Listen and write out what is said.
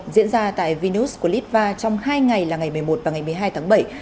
diễn ra tại vinus của litva trong hai ngày là ngày một mươi một và ngày một mươi hai tháng bảy